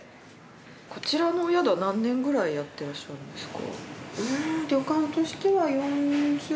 こちらのお宿何年くらいやってらっしゃるんですか？